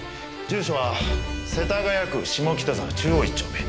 住所は世田谷区下北沢中央１丁目。